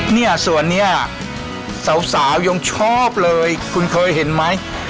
ตัวหน้าจะสาวชอบเลยคุณค่อยเห็นไหม